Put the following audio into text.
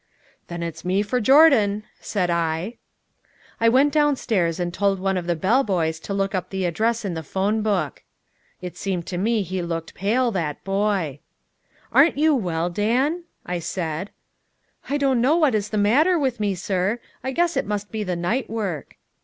"Then it's me for Jordan," said I. I went down stairs and told one of the bell boys to look up the address in the telephone book. It seemed to me he looked pale, that boy. "Aren't you well, Dan?" I said. "I don't know what's the matter with me, sir. I guess it must be the night work."